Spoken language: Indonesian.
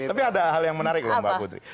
tapi ada hal yang menarik loh mbak putri